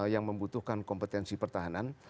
yang membutuhkan kompetensi pertahanan